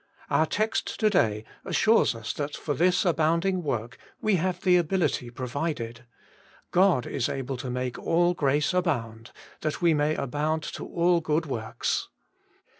Our text to day assures us that for this abounding work we have the ability provided : God is able to make all grace abound, that we may aboimd to all good works.